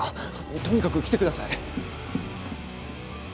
とにかく来てください。